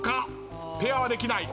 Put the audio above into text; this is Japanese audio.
ペアはできない。